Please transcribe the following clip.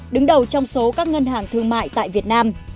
đứng đầu trong số các ngân hàng thương mại tại việt nam